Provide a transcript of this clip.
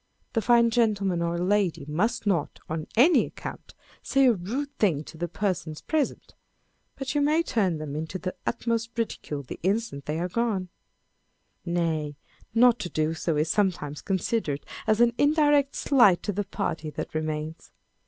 The fine gentleman or lady must not, on any account, say a rude thing to the persons present, but you may turn them into the utmost ridicule the instant they are gone : nay, not to do so is sometimes considered as an indirect slight to the party that remains.